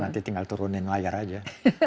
nanti tinggal turunin layar aja